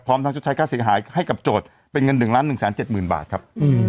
พร้อมทั้งชดใช้ค่าเสียหายให้กับโจทย์เป็นเงิน๑๑๗๐๐บาทครับ